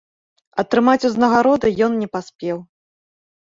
Атрымаць ўзнагароды ён не паспеў.